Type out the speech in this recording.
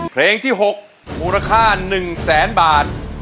เพลงที่๖ภูราคา๑๐๐๐๐๐บาท